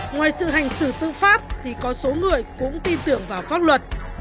ngoài sự hành xử tư pháp thì có số người cũng tin tưởng vào pháp luật